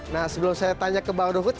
nah sebelum saya tanya ke bang ruhut